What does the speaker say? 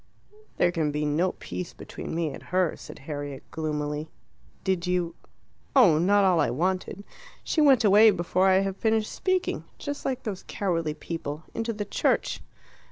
"There can be no peace between me and her," said Harriet gloomily. "Did you " "Oh, not all I wanted. She went away before I had finished speaking just like those cowardly people! into the church."